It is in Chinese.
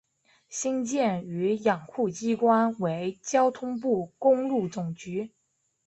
新建与养护机关为交通部公路总局。